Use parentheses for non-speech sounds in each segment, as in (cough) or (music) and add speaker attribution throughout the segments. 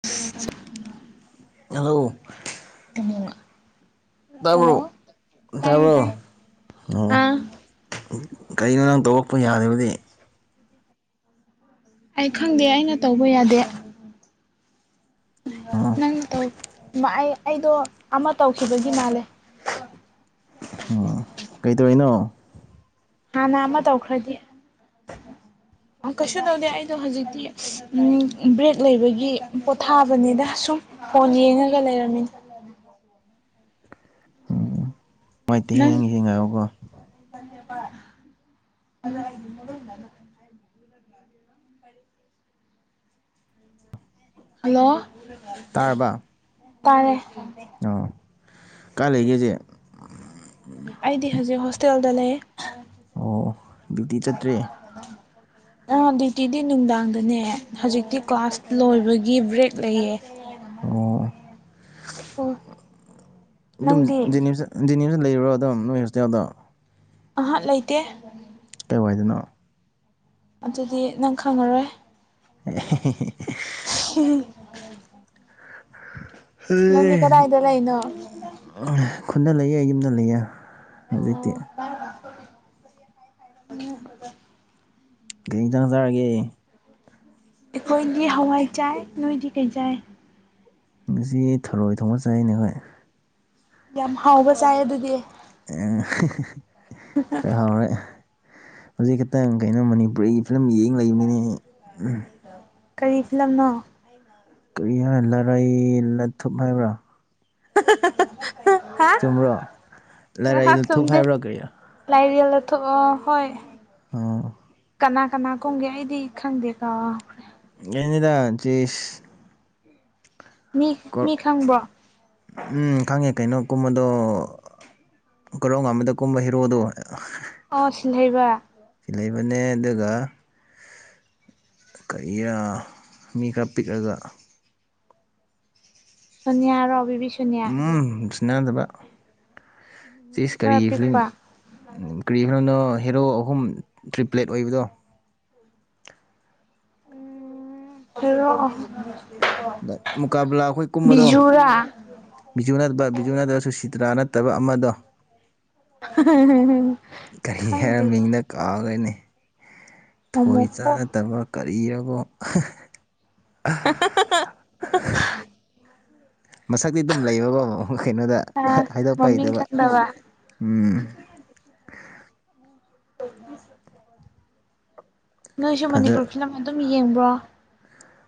Speaker 1: (unintelligible)
Speaker 2: Hello.
Speaker 1: (unintelligible)
Speaker 2: ꯇꯥꯔꯕꯣ
Speaker 1: ꯇꯥꯏꯌꯦ
Speaker 2: ꯇꯥꯔꯕꯣ
Speaker 1: ꯇꯥꯏ
Speaker 2: ꯎꯝ
Speaker 1: ꯑꯥ
Speaker 2: ꯀꯔꯤꯅꯣ ꯅꯪ ꯇꯧꯔꯛꯄ ꯌꯥꯗꯕꯗꯤ
Speaker 1: ꯑꯩ ꯈꯪꯗꯦ ꯑꯩꯅ ꯇꯧꯕ ꯌꯥꯗꯦ꯫
Speaker 2: ꯑꯣ
Speaker 1: ꯅꯪ ꯇꯧ ꯑꯩ ꯑꯩꯗꯣ ꯑꯃ ꯇꯧꯈꯤꯕꯒꯤ ꯃꯥꯜꯂꯦ꯫
Speaker 2: ꯀꯩꯗꯧꯅꯣ꯫
Speaker 1: ꯍꯥꯟꯅ ꯑꯃ ꯇꯧꯈ꯭ꯔꯗꯤ
Speaker 2: (unintelligible)
Speaker 1: ꯀꯩꯁꯨ ꯅꯧꯗꯦ ꯍꯥꯏꯗꯣ ꯍꯧꯖꯤꯛꯇꯤ ꯕ꯭ꯔꯦꯛ ꯂꯩꯕꯒꯤ ꯄꯣꯊꯥꯕꯅꯤꯗ ꯁꯨꯝ ꯐꯣꯟ ꯌꯦꯡꯉꯒ ꯂꯩꯔꯝꯃꯤꯅꯦ꯫ (unintelligible) ꯅꯪ
Speaker 2: (unintelligible)
Speaker 1: (unintelligible) (unintelligible) (unintelligible) ꯍꯜꯂꯣ꯫
Speaker 2: ꯇꯥꯔꯕ꯫
Speaker 1: ꯇꯥꯔꯦ꯫
Speaker 2: ꯑ ꯀꯥꯏ ꯂꯩꯒꯦ ꯍꯧꯖꯤꯛ꯫
Speaker 1: ꯑꯩꯗꯤ ꯍꯧꯖꯤꯛ ꯍꯣꯁꯇꯦꯜꯗ ꯂꯩ
Speaker 2: ꯑꯣ ꯗ꯭ꯌꯨꯇꯤ ꯆꯠꯇ꯭ꯔꯤ
Speaker 1: ꯑ ꯗ꯭ꯌꯨꯇꯤꯗꯤ ꯅꯨꯡꯗꯥꯡꯗꯅꯦ ꯍꯧꯖꯤꯛꯇꯤ ꯀ꯭ꯂꯥꯁ ꯂꯣꯏꯕꯒꯤ ꯕ꯭ꯔꯦꯛ ꯂꯩꯌꯦ꯫
Speaker 2: ꯑꯣ
Speaker 1: ꯑꯣ
Speaker 2: ꯑꯗꯨꯝ
Speaker 1: ꯅꯪꯗꯤ
Speaker 2: ꯖꯦꯅꯤꯝꯁ ꯖꯦꯅꯤꯝꯁꯇ ꯂꯩꯕꯔꯥ ꯑꯗꯨꯝ ꯅꯣꯏ ꯍꯣꯁꯇꯦꯜꯗꯣ꯫
Speaker 1: ꯑꯍꯥꯛ ꯂꯩꯇꯦ꯫
Speaker 2: ꯀꯥꯏꯋꯥꯏꯗꯅꯣ꯫
Speaker 1: ꯑꯗꯨꯗꯤ ꯅꯪ ꯈꯪꯉꯔꯣꯏ꯫
Speaker 2: (unintelligible)
Speaker 1: (unintelligible) ꯅꯪꯗꯤ ꯀꯗꯥꯢꯗ ꯂꯩꯅꯣ꯫
Speaker 2: (unintelligible) ꯈꯨꯗ ꯂꯩꯌꯦ ꯌꯨꯝꯗ ꯂꯩꯌꯦ ꯍꯧꯖꯤꯛꯇꯤ꯫
Speaker 1: (unintelligible) ꯎꯝ
Speaker 2: ꯀꯩ ꯏꯟꯖꯥꯡ ꯆꯥꯒꯦ꯫
Speaker 1: ꯑꯩꯈꯣꯏꯗꯤ ꯍꯋꯥꯏ ꯆꯥꯏ ꯅꯣꯏꯗꯤ ꯀꯩ ꯆꯥꯏ꯫
Speaker 2: ꯉꯁꯤ ꯊꯔꯣꯏ ꯊꯣꯡꯕ ꯆꯩꯅꯦ ꯍꯣꯏ꯫
Speaker 1: ꯌꯥꯝ ꯍꯥꯎꯕ ꯆꯥꯏ ꯑꯗꯨꯗꯤ꯫
Speaker 2: (unintelligible) ꯈꯔ ꯍꯥꯎꯔꯦ ꯍꯧꯖꯤꯛ ꯈꯤꯛꯇꯪ ꯀꯩꯅꯣ ꯃꯅꯤꯄꯨꯔꯤ ꯐꯤꯂꯝ ꯌꯦꯡ ꯂꯩꯕꯅꯤꯅꯦ
Speaker 1: ꯀꯔꯤ ꯐꯤꯂꯝꯅꯣ꯫ (unintelligible)
Speaker 2: ꯀꯩ ꯍꯥꯏ ꯂꯔꯥꯏ ꯂꯊꯨꯞ ꯍꯥꯏꯕ꯭ꯔꯥ꯫
Speaker 1: (unintelligible) ꯍꯥ
Speaker 2: ꯆꯨꯝꯕ꯭ꯔꯣ ꯂꯔꯩ
Speaker 1: ꯉꯥꯏꯍꯥꯛ
Speaker 2: ꯂꯊꯨꯞ
Speaker 1: ꯆꯨꯝꯗꯦ
Speaker 2: ꯍꯥꯏꯕ꯭ꯔꯣ ꯀ꯭ꯔꯤꯔ
Speaker 1: ꯂꯥꯏꯔꯦꯜ ꯂꯥꯊꯨꯞ ꯑ ꯍꯣꯏ
Speaker 2: ꯑꯣ
Speaker 1: ꯀꯅꯥ ꯀꯅꯥ ꯀꯨꯝꯒꯦ ꯑꯩꯗꯤ ꯈꯪꯗꯦ ꯀꯥ
Speaker 2: (unintelligible)
Speaker 1: ꯃꯤ ꯃꯤ ꯈꯪꯕ꯭ꯔꯣ
Speaker 2: ꯎꯝ ꯈꯪꯉꯦ ꯀꯩꯅꯣ ꯀꯨꯝꯕꯗꯣ ꯀꯣꯔꯧ ꯉꯟꯃꯗ ꯀꯨꯝꯕ ꯍꯦꯔꯣꯗꯣ꯫
Speaker 1: ꯑꯣ ꯁꯤꯜꯍꯩꯕ
Speaker 2: ꯁꯤ ꯂꯩꯕꯅꯦ ꯑꯗꯨꯒ ꯀꯔꯤꯔ ꯃꯤ ꯈꯔ ꯄꯤꯛꯑꯒ
Speaker 1: ꯁꯣꯅꯤꯌꯥꯔ ꯕꯤꯚꯤꯁ
Speaker 2: ꯎꯝ ꯁꯤꯅꯥꯗꯕ
Speaker 1: ꯃꯤ
Speaker 2: ꯆꯤꯁ
Speaker 1: ꯈꯔ
Speaker 2: ꯀꯔꯤ ꯐꯤꯂꯤꯝ꯫
Speaker 1: ꯄꯤꯛꯄ
Speaker 2: ꯀꯔꯤ ꯐꯤꯂꯝꯅꯣ ꯍꯦꯔꯣ ꯑꯍꯨꯝ ꯇ꯭ꯔꯤꯄ꯭ꯂꯦꯠ ꯑꯣꯏꯕꯗꯣ꯫
Speaker 1: ꯎꯝ ꯍꯦꯔꯣ
Speaker 2: ꯃꯨꯀꯥꯕꯂꯥ ꯍꯣꯏ ꯀꯨꯝꯕꯗꯣ꯫
Speaker 1: ꯕꯤꯖꯨꯔꯥ
Speaker 2: ꯕꯤꯖꯨ ꯅꯠꯇꯕ ꯕꯤꯖꯨ ꯅꯠꯇ꯭ꯔꯁꯨ ꯁꯤꯇ꯭ꯔꯥ ꯅꯠꯇꯕ ꯑꯃꯗꯣ꯫
Speaker 1: ꯈꯪꯗꯦꯗ
Speaker 2: ꯀꯥꯒ꯭ꯔꯦꯅꯦ ꯊꯣꯏ
Speaker 1: ꯃꯣꯃꯣꯀꯣꯛ
Speaker 2: ꯆꯥꯅꯠꯗꯕ ꯀꯔꯤꯔꯕꯣ
Speaker 1: (unintelligible)
Speaker 2: ꯃꯁꯛꯇꯤ ꯑꯗꯨꯝ ꯂꯩꯕꯕꯣ ꯀꯩꯅꯣꯗ
Speaker 1: ꯑꯥ
Speaker 2: ꯍꯥꯏꯗꯣꯛꯄ
Speaker 1: ꯃꯃꯤꯡ
Speaker 2: ꯍꯩꯇꯕ
Speaker 1: ꯈꯪꯗꯕ
Speaker 2: ꯎꯝ꯫
Speaker 1: (unintelligible) ꯅꯣꯏꯁꯨ ꯃꯅꯤꯄꯨꯔ
Speaker 2: ꯐꯖ
Speaker 1: ꯐꯤꯂꯝ ꯑꯗꯨꯝ ꯌꯦꯡꯕ꯭ꯔꯣ꯫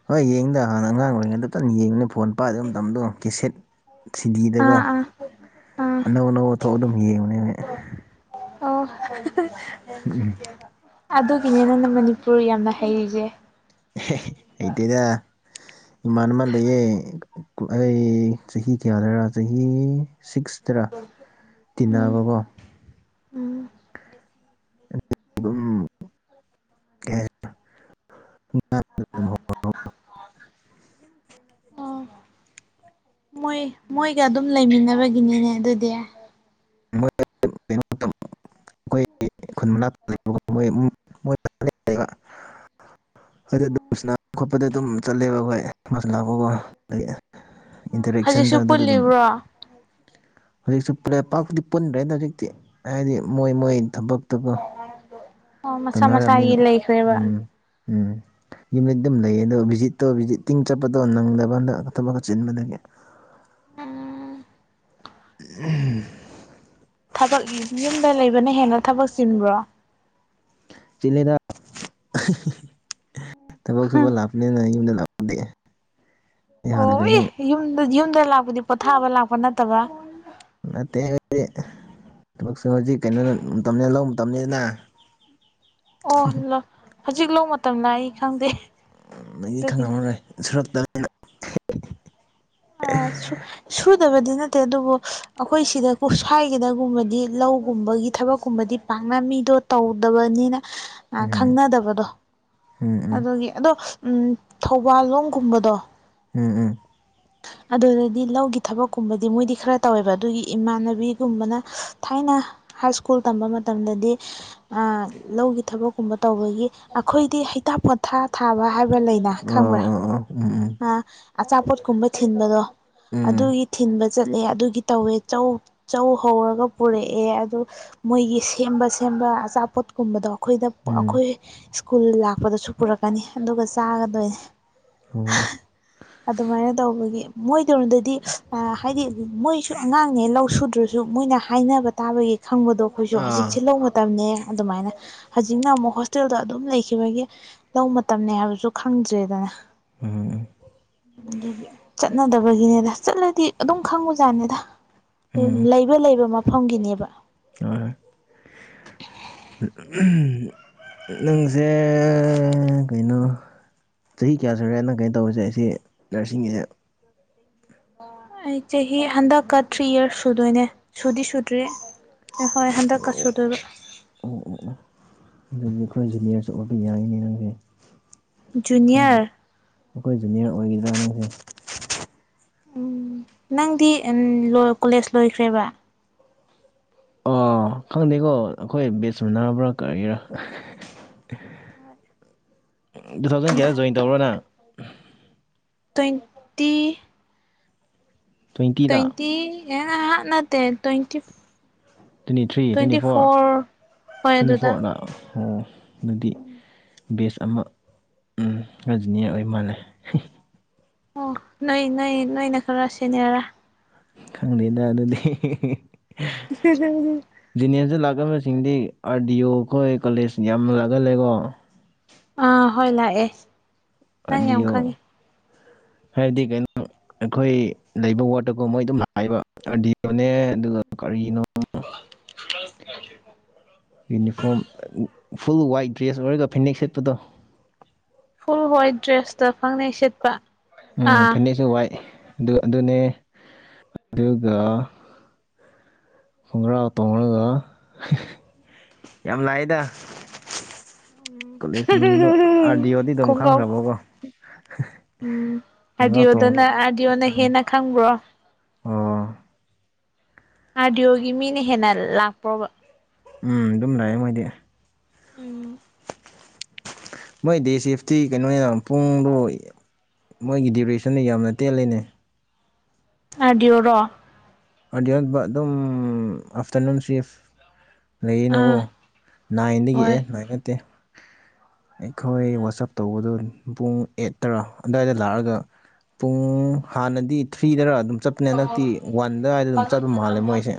Speaker 2: ꯍꯣꯏ ꯌꯦꯡꯗ ꯍꯥꯟꯅ ꯑꯉꯥꯡ ꯑꯣꯏꯔꯤ ꯇꯟ ꯌꯦꯡꯉꯤꯅ ꯐꯣꯟ ꯄꯥꯏꯗꯕ ꯃꯇꯝꯗꯣ ꯀꯦꯁꯦꯠ꯫ ꯇꯤꯕꯤꯗꯒ
Speaker 1: ꯑꯥ ꯑꯥ ꯑꯥ
Speaker 2: ꯑꯅꯧ ꯑꯅꯧꯕ ꯊꯣꯛ ꯑꯗꯨꯝ ꯌꯦꯡꯕꯅꯦ (unintelligible)
Speaker 1: ꯑꯣ
Speaker 2: ꯎꯝ
Speaker 1: ꯑꯗꯨꯒꯤꯅꯤ ꯅꯪꯅ ꯃꯅꯤꯄꯨꯔ ꯌꯥꯝꯅ ꯍꯩꯔꯤꯖꯦ꯫
Speaker 2: ꯍꯩꯇꯦꯗ ꯏꯃꯥꯟꯅꯕ ꯂꯩꯌꯦ ꯑꯩ ꯆꯍꯤ ꯀꯌꯥꯗꯔꯥ ꯆꯍꯤ ꯁꯤꯛꯁꯇꯔ
Speaker 1: ꯎꯝ
Speaker 2: ꯇꯤꯟꯅꯕꯀꯣ꯫
Speaker 1: ꯎꯝ
Speaker 2: ꯗꯨꯝ ꯀꯦ (unintelligible)
Speaker 1: (unintelligible) ꯑꯣ ꯃꯣꯏ ꯃꯣꯏꯒ ꯑꯗꯨꯝ ꯂꯩꯃꯤꯟꯅꯕꯒꯤꯅꯤꯅꯦ ꯑꯗꯨꯗꯤ꯫
Speaker 2: (unintelligible) ꯑꯈꯣꯏꯒꯤ ꯈꯨꯟ ꯃꯅꯥꯛꯇ ꯂꯩꯕ (unintelligible) ꯑꯗꯨ ꯑꯗꯨꯝ ꯃꯁꯅꯥ ꯈꯣꯠꯄꯗ ꯑꯗꯨꯝ ꯆꯠꯂꯦꯕ ꯈꯣꯏ ꯃꯁ ꯂꯥꯛꯄꯀꯣ (unintelligible) ꯏꯟꯇꯔꯦꯛꯁꯟꯗ
Speaker 1: ꯍꯧꯖꯤꯛꯁꯨ
Speaker 2: ꯑꯗꯨꯗ ꯑꯗꯨꯝ
Speaker 1: ꯄꯨꯜꯂꯤꯕ꯭ꯔꯣ
Speaker 2: ꯍꯧꯖꯤꯛꯁꯨ ꯄꯨꯜꯂꯦ ꯄꯥꯛꯄꯨꯗꯤ ꯄꯨꯟꯗ꯭ꯔꯦꯗ ꯍꯧꯖꯤꯛꯇꯤ ꯍꯥꯏꯗꯤ ꯃꯣꯏ ꯃꯣꯏ ꯊꯕꯛ ꯇꯣꯀꯣ
Speaker 1: ꯑꯣ ꯃꯁꯥ
Speaker 2: ꯇꯧꯅꯔꯕꯅꯤꯅ
Speaker 1: ꯃꯁꯥꯒꯤ ꯂꯩꯈ꯭ꯔꯦꯕ
Speaker 2: ꯎꯝ ꯎꯝ ꯌꯨꯝꯗ ꯑꯗꯨꯝ ꯂꯩꯌꯦ ꯑꯗꯣ ꯚꯤꯖꯤꯠꯇꯣ ꯚꯤꯠ ꯇꯤꯡ ꯆꯠꯄꯗꯣ ꯅꯪꯗꯕ ꯍꯟꯗꯛ ꯊꯕꯛ ꯈꯔ ꯆꯤꯟꯕꯗꯒꯤ꯫ ꯎꯝ
Speaker 1: ꯊꯕꯛ ꯌꯨꯝꯗ ꯂꯩꯕꯅ ꯍꯦꯟꯅ ꯊꯕꯛ ꯆꯤꯟꯕ꯭ꯔꯣ꯫
Speaker 2: ꯆꯤꯂꯦꯗ ꯊꯕꯛ ꯁꯨꯕ ꯂꯥꯛꯞꯄꯅꯤꯅ ꯌꯨꯝꯗ ꯂꯥꯛ ꯌꯥꯥꯟꯅ
Speaker 1: ꯑꯣ ꯑꯦ
Speaker 2: ꯀꯩꯅꯦ (unintelligible)
Speaker 1: ꯌꯨꯝꯗ ꯌꯨꯝꯗ ꯂꯥꯛꯄꯗꯤ ꯄꯣꯊꯥꯕ ꯂꯥꯛꯄ ꯅꯠꯇꯕ꯫
Speaker 2: ꯅꯠꯇꯦ ꯑꯩꯗꯤ ꯊꯕꯛꯁꯨ ꯍꯧꯖꯤꯛ ꯀꯩꯅꯣ ꯃꯇꯝꯅꯤꯅ ꯂꯧꯕ ꯃꯇꯝꯅꯤꯅ꯫
Speaker 1: ꯑꯣ ꯍꯧꯖꯤꯛ ꯂꯧ ꯃꯇꯝꯂ ꯑꯩ ꯈꯪꯗꯦ꯫
Speaker 2: ꯅꯪꯗꯤ
Speaker 1: ꯑꯗꯨꯒꯤꯅꯦ
Speaker 2: ꯈꯪꯉꯝꯃꯔꯣꯏ ꯁꯨꯔꯛꯇꯕꯅꯤꯅ꯫
Speaker 1: ꯑ ꯁꯨ ꯁꯨꯗꯕꯗꯤ ꯅꯠꯇꯦ ꯑꯗꯨꯕꯨ ꯑꯩꯈꯣꯏ ꯁꯤꯗ ꯀꯨꯞꯁꯥꯏꯒꯗꯒꯨꯝꯕꯗꯤ ꯂꯧꯒꯨꯝꯕꯒꯤ ꯊꯕꯛꯀꯨꯝꯕꯗꯤ ꯄꯥꯛꯅ ꯃꯤꯗꯣ ꯇꯧꯗꯕꯅꯤꯅ
Speaker 2: (inaudible)
Speaker 1: ꯑ ꯈꯪꯅꯗꯕꯗꯣ
Speaker 2: ꯎꯝ
Speaker 1: ꯑꯗꯨꯒꯤ ꯑꯗꯣ ꯎꯝ ꯊꯧꯕꯥꯜꯂꯣꯡꯒꯨꯝꯕꯗꯣ
Speaker 2: ꯎꯝ ꯎꯝ
Speaker 1: ꯑꯗꯨꯗꯗꯤ ꯂꯧꯒꯤ ꯊꯕꯛꯀꯨꯝꯕꯗꯤ ꯃꯣꯏꯗꯤ ꯈꯔ ꯇꯧꯋꯦꯕ ꯑꯗꯨꯒꯤ ꯏꯃꯥꯟꯅꯕꯤꯒꯨꯝꯕꯅ ꯊꯥꯏꯅ ꯍꯥꯏ ꯏꯁ꯭ꯀꯨꯜ ꯇꯝꯕ ꯃꯇꯝꯗꯗꯤ ꯑꯥ ꯂꯧꯒꯤ ꯊꯕꯛꯀꯨꯝꯕ ꯇꯧꯕꯒꯤ ꯑꯩꯈꯣꯏꯗꯤ ꯍꯩ ꯊꯥ ꯄꯣꯊꯥ ꯊꯥꯕ ꯍꯥꯏꯕ ꯂꯩꯅ
Speaker 2: ꯑꯣ
Speaker 1: ꯈꯪꯕ꯭ꯔꯥ
Speaker 2: ꯑꯣ ꯑꯣ ꯎꯝ ꯎꯝ
Speaker 1: ꯑꯥ ꯑꯆꯥꯄꯣꯠꯀꯨꯝꯕ ꯊꯤꯟꯕꯗꯣ
Speaker 2: ꯎꯝ
Speaker 1: ꯑꯗꯨꯒꯤ ꯊꯤꯟꯕ ꯆꯠꯂꯦ ꯑꯗꯨꯒꯤ ꯇꯧꯋꯦ ꯆꯧ ꯆꯧ ꯍꯧꯔꯒ ꯄꯨꯔꯛꯑꯦ ꯑꯗꯨ ꯃꯣꯏꯒꯤ ꯁꯦꯝꯕ ꯁꯦꯝꯕ ꯑꯆꯥꯄꯣꯠꯀꯨꯝꯕꯗꯣ ꯑꯩꯈꯣꯏꯗ
Speaker 2: ꯎꯝ
Speaker 1: ꯑꯩꯈꯣꯏ ꯏꯁ꯭ꯀꯨꯜ ꯂꯥꯛꯄꯗꯁꯨ ꯄꯨꯔꯛꯀꯅꯤ ꯑꯗꯨꯒ ꯆꯥꯒꯗꯣꯏꯅꯦ
Speaker 2: ꯎꯝ
Speaker 1: ꯑꯗꯨꯃꯥꯏꯅ ꯇꯧꯕꯒꯤ ꯃꯣꯏꯑꯗꫭꯝꯗꯗꯤ ꯍꯥꯏꯗꯤ ꯃꯣꯏꯁꯨ ꯑꯉꯥꯡꯅꯦ ꯂꯧ ꯁꯨꯗ꯭ꯔꯁꯨ ꯁꯨ ꯃꯣꯏꯅ ꯍꯥꯏꯅꯕ ꯇꯥꯕꯒꯤ ꯈꯪꯕꯗꯣ ꯑꯩꯈꯣꯏꯁꯨ ꯍꯧꯖꯤꯛꯁꯦ
Speaker 2: ꯑꯥ
Speaker 1: ꯂꯧ ꯃꯇꯝꯅꯦ ꯑꯗꯨꯃꯥꯏꯅ ꯍꯧꯖꯤꯛꯅ ꯑꯃꯨꯛ ꯍꯣꯁꯇꯦꯜꯗꯣ ꯑꯗꯨꯝ ꯂꯩꯈꯤꯕꯒꯤ ꯂꯧ ꯃꯇꯝꯅꯤꯅꯦ ꯍꯥꯏꯕꯁꯨ ꯈꯪꯗ꯭ꯔꯦꯗꯅ
Speaker 2: ꯎꯝ
Speaker 1: ꯑꯗꯨꯒꯤ ꯆꯠꯅꯗꯕꯒꯤꯅꯦꯗ ꯆꯠꯂꯗꯤ ꯑꯗꯨꯝ ꯈꯪꯉꯨꯖꯥꯠꯅꯦꯗ ꯎꯝ ꯂꯩꯕ ꯂꯩꯕ ꯃꯐꯝꯒꯤꯅꯦꯕ
Speaker 2: ꯑꯥ (unintelligible) ꯎꯝ ꯅꯪꯁꯦ ꯀꯩꯅꯣ ꯆꯍꯤ ꯀꯌꯥ ꯁꯨꯔꯦꯅ ꯀꯩꯅꯣ ꯇꯧꯕꯁꯦ ꯑꯩꯁꯤ ꯅꯔꯁꯤꯡꯒꯤꯁꯦ
Speaker 1: (inaudible) ꯑꯩ ꯆꯍꯤ ꯍꯟꯗꯛꯀ ꯊ꯭ꯔꯤ ꯏꯌꯔꯁ ꯁꯨꯗꯣꯏꯅꯦ ꯁꯨꯗꯤ ꯁꯨꯗ꯭ꯔꯤ ꯍꯣꯌ ꯍꯣꯏ ꯍꯟꯗꯛꯀꯁꯨꯗꯨꯏꯕ
Speaker 2: ꯑꯣ ꯑꯣ ꯑꯗꯨꯗꯒꯤ ꯑꯩꯈꯣꯏ ꯖꯨꯅꯤꯌꯔꯁꯨ ꯑꯣꯏꯕ ꯌꯥꯏꯅꯤ ꯅꯪꯁꯦ ꯈꯪꯗꯦ
Speaker 1: ꯖꯨꯅꯤꯌꯔ
Speaker 2: ꯑꯩꯈꯣꯏ ꯖꯨꯅꯤꯌꯔ ꯑꯣꯏꯒꯗ꯭ꯔꯥ ꯅꯁꯦ
Speaker 1: ꯎꯝ ꯅꯪꯗꯤ ꯀꯣꯂꯦꯖ ꯂꯣꯏꯈ꯭ꯔꯦꯕ
Speaker 2: ꯑꯣ ꯈꯪꯗꯦꯀꯣ ꯑꯩꯈꯣꯏ ꯕꯦꯠꯁ ꯃꯨꯟꯅꯔꯕ꯭ꯔꯥ ꯀꯛꯒꯤꯔꯥ
Speaker 1: ꯍꯣꯏ
Speaker 2: ꯇꯨ ꯊꯥꯎꯖꯟ ꯀꯨꯗ ꯖꯣꯏꯟ ꯇꯧꯔꯅ
Speaker 1: ꯑꯣ ꯇ꯭ꯋꯦꯟꯇꯤ
Speaker 2: ꯇ꯭ꯋꯦꯟꯇꯤꯗ
Speaker 1: ꯇ꯭ꯋꯦꯟꯇꯤ ꯑꯥ ꯅꯠꯇꯦ twenty
Speaker 2: twenty three twenty four
Speaker 1: ꯍꯣꯏ
Speaker 2: ꯇ꯭ꯋꯦꯟꯇꯤ
Speaker 1: ꯑꯗꯨꯗ
Speaker 2: ꯐꯣꯔꯗ ꯑꯣ ꯑꯗꯨꯗꯤ ꯕꯦꯁ ꯑꯃ ꯔꯖꯤꯅꯤꯌꯥꯔ ꯑꯣꯏ ꯃꯥꯥꯟꯅꯩ
Speaker 1: ꯑꯣ ꯅꯣꯏ ꯅꯣꯏ ꯅꯣꯏꯅ ꯈꯔ ꯁꯤꯅꯦꯔꯥ
Speaker 2: ꯈꯪꯗꯦꯗ ꯑꯗꯨꯗꯤ
Speaker 1: ꯍꯝ
Speaker 2: ꯖꯨꯅꯤꯌꯝꯁꯇ ꯂꯥꯛꯀꯗꯕꯁꯤꯡꯗꯤ ꯑꯥꯔ ꯗꯤ ꯑꯣ ꯑꯩꯈꯣꯏ ꯀꯣꯂꯦꯖ ꯌꯥꯝꯅ ꯂꯥꯛꯀꯜꯂꯀꯣ
Speaker 1: ꯑꯥ ꯍꯣꯏ ꯂꯥꯛꯑꯦ ꯅꯪ ꯌꯥꯝ
Speaker 2: ꯑꯗꯨꯑꯣ
Speaker 1: ꯈꯪꯉꯤ
Speaker 2: ꯍꯥꯏꯗꯤ ꯀꯩꯅꯣ ꯑꯩꯈꯣꯏ ꯂꯩꯕ ꯋꯥꯠꯇꯀꯣ ꯃꯣꯏ ꯑꯗꯨꯝ ꯍꯥꯏꯕ ꯑꯗꯤꯅꯦ ꯑꯗꯨꯒ ꯀꯔꯤꯅꯣ ꯌꯨꯅꯤꯐꯣꯝ ꯐꯨꯜ ꯋꯥꯏꯠ ꯗ꯭ꯔꯦꯁ ꯑꯣꯏꯔꯒ ꯐꯅꯦꯛ ꯁꯦꯠꯄꯗꯣ
Speaker 1: ꯐꯨꯜ ꯍ꯭ꯋꯥꯏꯠ ꯗ꯭ꯔꯦꯁꯇ ꯐꯪꯅꯩ ꯁꯦꯠꯄ
Speaker 2: ꯎ
Speaker 1: ꯑꯥ
Speaker 2: ꯐꯤꯅꯤꯦꯛꯁꯨ ꯋꯥꯏ ꯑꯗꯨ ꯑꯗꯨꯅꯦ ꯑꯗꯨꯒ ꯈꯣꯡꯒ꯭ꯔꯥꯎ ꯇꯣꯡꯉꯒ ꯌꯥꯝ ꯂꯥꯛꯑꯦꯗ ꯃꯤꯡꯗꯣ ꯑꯥꯔ ꯗꯤ ꯑꯣꯗꯤ ꯑꯗꯨꯝ
Speaker 1: ꯀꯒꯥꯥꯎ
Speaker 2: ꯈꯪꯈ꯭ꯔꯕꯀꯣ
Speaker 1: ꯎꯝ
Speaker 2: ꯈꯣꯡꯒ꯭ꯔꯥꯎ
Speaker 1: ꯑꯥꯗꯤꯑꯣꯗꯅ
Speaker 2: ꯇꯣꯡꯔꯒ
Speaker 1: ꯑꯥꯗꯤꯑꯣꯅ ꯍꯦꯟꯅ ꯈꯪꯕ꯭ꯔꯣ
Speaker 2: ꯎꯥ
Speaker 1: ꯑꯥꯔꯗꯤ ꯑꯣꯒꯤ ꯃꯤꯅ ꯍꯦꯟꯅ ꯂꯥꯛꯄ꯭ꯔꯣꯕ
Speaker 2: ꯎꯝ ꯑꯗꯨꯝ ꯂꯥꯛꯑꯦ ꯃꯣꯏꯗꯤ
Speaker 1: ꯎꯝ
Speaker 2: ꯃꯣꯏ ꯗꯦ ꯁꯤꯦꯐꯇꯤ ꯀꯩꯅꯣꯅꯦꯅ ꯄꯨꯡꯗꯣ ꯃꯣꯏꯒꯤ ꯗꯗꯤꯌꯔꯦꯁꯟꯗꯣ ꯌꯥꯝꯅ ꯇꯦꯜꯜꯂꯤꯅꯦ
Speaker 1: ꯑꯗꯤꯌꯑꯣꯔꯣ
Speaker 2: ꯑꯗꯤꯌꯟꯕ ꯑꯗꯨꯝ ꯑꯥꯐꯇꯔꯅꯨꯟ ꯁꯤꯐ ꯂꯩꯌꯦ ꯅꯕꯣ
Speaker 1: ꯑꯥ
Speaker 2: ꯅꯥꯏꯟꯗꯒꯤꯛ
Speaker 1: ꯍꯣꯏ
Speaker 2: ꯑꯦ ꯉꯥꯏꯟ ꯅꯠꯇꯦ ꯑꯩꯈꯣꯏ ꯋꯥꯆꯞ ꯇꯧꯕꯗꯨꯣ ꯄꯨꯡ ꯑꯦꯠ ꯇꯔꯥ ꯑꯗꯨꯋꯥꯏꯗ ꯂꯥꯛꯑꯒ ꯄꯨꯡ ꯍꯥꯟꯅꯗꯤ ꯊ꯭ꯔꯤꯗꯔ ꯑꯗꯨꯝ ꯆꯠꯄꯅꯦ ꯍꯟꯗꯛꯇꯤ ꯋꯥꯟꯗꯋꯥꯏꯗ ꯑꯗꯨꯝ ꯆꯠꯄ ꯃꯥꯜꯂꯦ ꯃꯣꯏꯁꯦ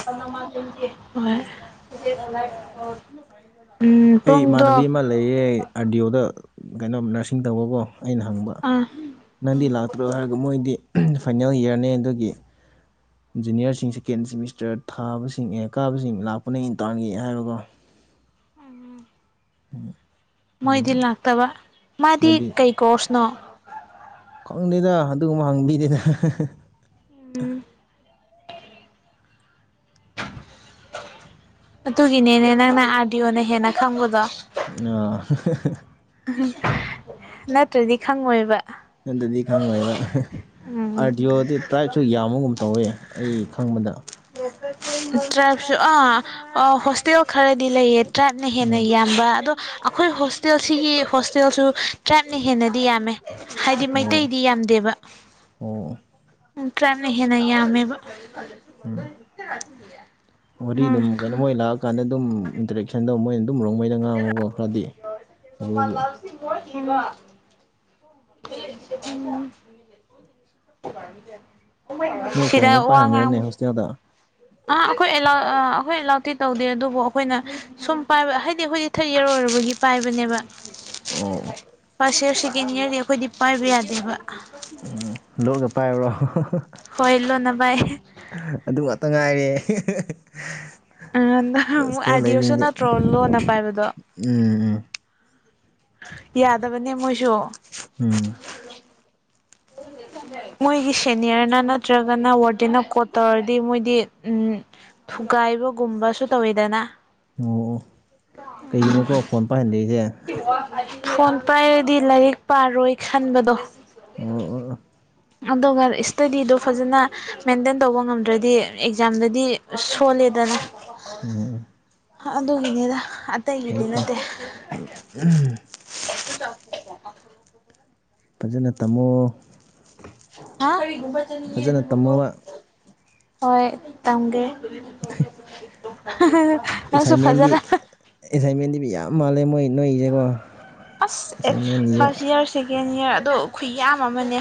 Speaker 1: (inaudible)
Speaker 2: ꯑꯩ
Speaker 1: ꯄꯨꯡꯗꯣ
Speaker 2: ꯏꯃꯥꯟꯅꯕꯤ ꯑꯃ ꯂꯩꯌꯦ ꯑꯥꯔ ꯗꯤ ꯑꯣꯗ ꯀꯩꯅꯣꯝ ꯅꯔꯁꯤꯡ ꯇꯧꯕꯀꯣ ꯑꯩꯅ ꯍꯪꯕ
Speaker 1: ꯑꯥ
Speaker 2: ꯅꯪꯗꯤ ꯂꯥꯛꯇ꯭ꯔꯣ ꯍꯥꯏꯔꯒ ꯃꯣꯏꯗꯤ ꯐꯥꯏꯅꯦꯜ ꯏꯌꯥꯔꯅꯦ ꯑꯗꯨꯒꯤ ꯏꯟꯖꯤꯨꯅꯤꯌꯥꯔꯁꯤꯡ ꯁꯦꯀꯦꯟ ꯁꯦꯃꯤꯁꯇꯔ ꯊꯥꯕꯁꯤꯡ ꯑꯦ ꯀꯥꯕꯁꯤꯡ ꯂꯥꯛꯄꯅ ꯏꯟꯇꯥꯔꯟꯒꯤ ꯍꯥꯏꯕꯀꯣ
Speaker 1: ꯑ
Speaker 2: ꯎ
Speaker 1: ꯃꯣꯏꯗꯤ ꯂꯥꯛꯇꯕ ꯃꯥꯗꯤ
Speaker 2: ꯃꯣꯏꯗꯤ
Speaker 1: ꯀꯩ ꯀꯣꯔꯁꯅꯣ
Speaker 2: ꯈꯪꯗꯦꯗ ꯑꯗꯨꯒꯨꯝꯕ ꯍꯪ ꯃꯤꯅꯤꯅ
Speaker 1: ꯎꯝ ꯑꯗꯨꯒꯤꯅꯦꯅꯦ ꯅꯪꯅ ꯑꯥꯔꯗꯤꯑꯣꯅ ꯍꯦꯟꯅ ꯈꯪꯕꯗꯣ
Speaker 2: ꯑ
Speaker 1: ꯅꯠꯇ꯭ꯔꯗꯤ ꯈꯪꯉꯣꯏꯕ
Speaker 2: ꯑꯗꯨ ꯑꯗꯨꯗꯤ ꯈꯪꯦꯕ
Speaker 1: ꯎꯝ
Speaker 2: ꯑꯥꯔꯗꯤꯌꯑꯣꯗꯤ ꯇ꯭ꯔꯥꯏꯞꯁꯨ ꯌꯥꯝꯕꯒꯨꯝ ꯇꯧꯋꯦ ꯑꯩ ꯈꯪꯕꯗ
Speaker 1: ꯇ꯭ꯔꯥꯁꯨ ꯑꯥ ꯑ ꯍꯣꯁꯇꯦꯜ ꯈꯔꯗꯤ ꯂꯩꯌꯦ ꯇ꯭ꯔꯥꯏꯞꯅ ꯍꯦꯟꯅ
Speaker 2: ꯎꯝ
Speaker 1: ꯌꯥꯝꯕ ꯑꯗꯣ ꯑꯩꯈꯣꯏ ꯍꯣꯁꯇꯦꯜ ꯁꯤꯒꯤ ꯍꯣꯁꯇꯦꯜꯁꯨ ꯇ꯭ꯔꯥꯏꯞꯅ ꯍꯦꯟꯅꯗꯤ ꯌꯥꯝꯃꯦ ꯍꯥꯏꯗꯤ
Speaker 2: ꯑꯣ
Speaker 1: ꯃꯩꯇꯩꯗꯤ ꯌꯥꯝꯗꯦꯕ
Speaker 2: ꯑꯣ
Speaker 1: ꯀꯝ ꯍꯦꯅꯃꯦ
Speaker 2: ꯎꯝ ꯋꯥꯔꯤ ꯑꯗꯨꯝ ꯀꯩꯅꯣ ꯃꯣꯏ ꯂꯥꯛꯑꯀꯥꯟꯗ ꯑꯗꯨꯝ ꯏꯟꯇꯔꯦꯛꯁꯟꯗꯣ ꯃꯣꯏ ꯑꯗꯨꯝꯕꯧꯉꯩꯅ ꯉꯥꯡꯉꯨꯒꯣ ꯈꯔꯗꯤ ꯑꯗꯨꯒꯤ
Speaker 1: (inaudible)
Speaker 2: ꯅꯣꯏ
Speaker 1: ꯁꯤꯗ
Speaker 2: ꯐꯣꯟꯒꯨꯝꯕ
Speaker 1: ꯋꯥ ꯉꯥꯡ
Speaker 2: ꯄꯥꯏꯔꯝꯕ꯭ꯔꯅꯦ ꯍꯣꯁꯇꯦꯜꯗ
Speaker 1: ꯑ ꯑꯩꯈꯣꯏ ꯑꯦꯂꯥꯎ ꯑ ꯑꯩꯈꯣꯏ ꯑꯦꯂꯥꯎꯗꯤꯤ ꯇꯧꯗꯦ ꯑꯗꯨꯕꯨ ꯑꯩꯈꯣꯏꯅ ꯁꯨꯝ ꯄꯥꯏꯕ ꯍꯥꯏꯗꯤ ꯑꯩꯈꯣꯏꯗꯤ ꯊꯔꯠ ꯏꯔ ꯑꯣꯏꯔꯕꯗꯤ ꯄꯥꯏꯕꯅꯦꯕ
Speaker 2: ꯑꯣ
Speaker 1: ꯐꯥꯔꯁ ꯏꯌꯥꯔ ꯁꯦꯀꯦꯟ ꯏꯌꯥꯔꯗꯤ ꯑꯩꯈꯣꯏꯗꯤ ꯄꯥꯏꯕ ꯌꯥꯗꯦꯕ
Speaker 2: ꯎꯝ ꯂꯠꯒ ꯄꯥꯏꯔꯨꯔꯣ
Speaker 1: ꯍꯣꯏꯂꯣ ꯅꯚꯥꯏ
Speaker 2: ꯑꯗꯨ ꯉꯥꯛꯇ ꯉꯥꯏꯔꯦ
Speaker 1: ꯑ ꯑꯃꯨꯛ
Speaker 2: ꯍꯣꯁꯇꯦꯜ
Speaker 1: ꯑꯥꯗꯤꯑꯣꯁꯨ ꯅꯠꯇ꯭ꯔꯣ ꯂꯣꯟꯅ ꯄꯥꯏꯕꯗꯣ
Speaker 2: ꯎꯝ ꯎꯝ
Speaker 1: ꯌꯥꯗꯕꯅꯦ ꯃꯣꯏꯁꯨ
Speaker 2: ꯎꯝ ꯎꯝ (inaudible)
Speaker 1: ꯃꯣꯏꯒꯤ ꯁꯦꯅꯤꯌꯔꯅ ꯅꯠꯇ꯭ꯔꯒꯅ ꯋꯥꯔꯗꯦꯟꯅ ꯀꯣꯠ ꯇꯧꯔꯗꯤ ꯃꯣꯏꯗꯤ ꯊꯨꯒꯥꯏꯕꯒꯨꯝꯕꯁꯨ ꯇꯧꯋꯤꯗꯅ
Speaker 2: ꯑꯣ ꯑꯣ ꯀꯩꯒꯤꯅꯤꯀꯣ ꯐꯣꯟ ꯄꯥꯏꯍꯟꯗꯔꯤꯁꯦ
Speaker 1: ꯐꯣꯟ ꯄꯥꯏꯔꯗꯤ ꯂꯥꯏꯔꯤꯛ ꯄꯥꯔꯣꯏ ꯈꯟꯕꯗꯣ
Speaker 2: ꯑꯣ
Speaker 1: ꯑꯗꯨꯒ ꯏꯁꯇꯗꯤꯗꯣ ꯐꯖꯅ ꯃꯦꯟꯇꯦꯟ ꯇꯧꯕ ꯉꯝꯗ꯭ꯔꯗꯤ ꯑꯦꯛꯖꯥꯝꯗꯗꯤ ꯁꯣꯜꯂꯦꯗꯅ
Speaker 2: ꯎꯝ ꯎꯝ
Speaker 1: ꯑꯗꯨꯒꯤꯅꯦꯗ ꯑꯇꯩꯒꯤꯗꯤ ꯅꯠꯇꯦ
Speaker 2: ꯎꯝ
Speaker 1: (unintelligible)
Speaker 2: ꯐꯖꯅ ꯇꯝꯃꯣ
Speaker 1: ꯍꯥ ꯆ
Speaker 2: ꯐꯖꯅ
Speaker 1: ꯑꯗꯨ ꯂ
Speaker 2: ꯇꯝꯃꯣꯕ
Speaker 1: ꯍꯣꯏ ꯇꯝꯒꯦ ꯅꯪꯁꯨ
Speaker 2: ꯑꯦꯁꯥꯏꯟꯃꯦꯟꯗꯤ
Speaker 1: ꯐꯖꯅ
Speaker 2: ꯑꯦꯁꯥꯏꯟꯃꯦꯟꯗꯤꯗꯤ ꯌꯥꯝ ꯃꯥꯜꯂꯦ ꯃꯣꯏ ꯅꯣꯏꯁꯦꯀꯣ
Speaker 1: ꯑꯁ ꯑꯦ ꯐꯥꯔꯁ ꯏꯌꯥꯔ ꯁꯦꯀꯦꯟ ꯏꯌꯥꯔ ꯑꯗꯣ ꯈꯨ ꯌꯥꯝ ꯑꯃꯅꯦ